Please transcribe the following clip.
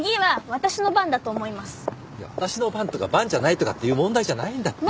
私の番とか番じゃないとかっていう問題じゃないんだって。